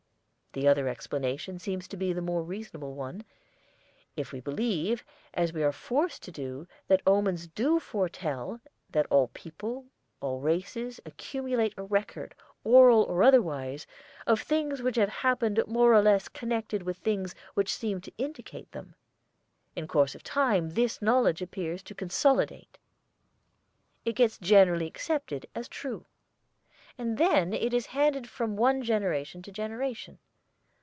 The other explanation seems to be the more reasonable one, if we believe, as we are forced to do, that omens do foretell that all peoples, all races, accumulate a record, oral or otherwise, of things which have happened more or less connected with things which seemed to indicate them. In course of time this knowledge appears to consolidate. It gets generally accepted as true. And then it is handed on from generation to generation.